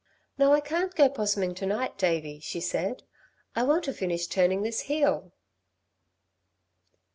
"No, I can't go 'possuming to night, Davey," she said. "I want to finish turning this heel."